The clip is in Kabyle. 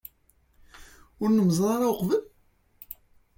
Ur nemmẓer ara uqbel?